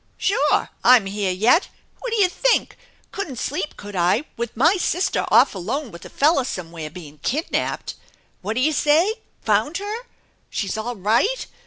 "Sure! I'm here yet! What'd ya think ? Couldn't sleep, could I, with my sister off alone with a fella somewhere being kidnapped? What'd ya say? Found her? She's all right?